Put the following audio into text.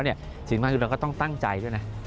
สิ่งที่สำคัญคือเราก็ต้องตั้งใจด้วย